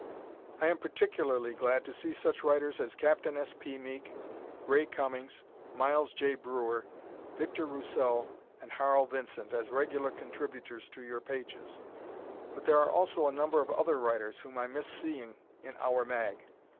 I am particularly glad to see such writers as Captain S. P. Meek, Ray Cummings, Miles J. Breuer, Victor Rousseau and Harl Vincent as regular contributors to your pages, but there are also a number of other writers whom I miss seeing in "our" mag.